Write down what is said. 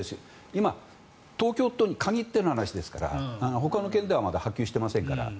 今、東京都に限っての話ですからほかの県ではまだ波及していませんから。